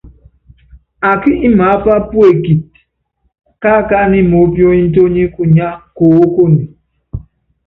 Ákí imaápa puekíti, káakánɛ́ imoópionítóní kunyá koókone.